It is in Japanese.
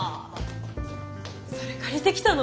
それ借りてきたの？